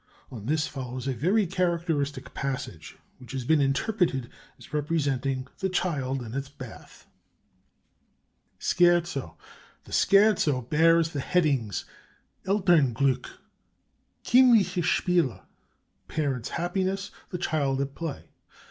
On this follows a very characteristic passage, which has been interpreted as representing the child in its bath. "[SCHERZO] "The Scherzo bears the headings Elternglück Kindliche Spiele ('Parents' Happiness' 'The Child at Play').